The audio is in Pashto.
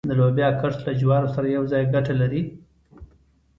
د لوبیا کښت له جوارو سره یوځای ګټه لري؟